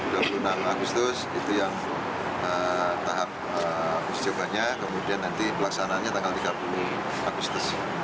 yang agustus itu yang tahap uji cobanya kemudian nanti pelaksanaannya tanggal tiga puluh agustus